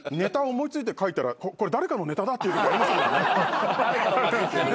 思い付いて書いたら「これ誰かのネタだ」ってことありますもんね。